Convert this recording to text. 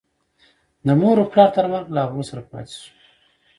د مور و پلار تر مرګه له هغو سره پاتې شو.